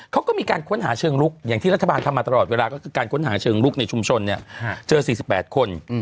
เขาก็มีการค้นหาเชิงลุกอย่างที่รัฐบาลทำมาตลอดเวลาก็คือการค้นหาเชิงลุกในชุมชนเนี่ยเจอ๔๘คน